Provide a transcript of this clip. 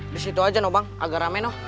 di situ aja no bang agak rame noh